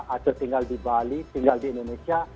atau tinggal di bali tinggal di indonesia